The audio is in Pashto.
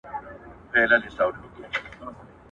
چي به یې ته د اسمانو پر لمن ګرځولې `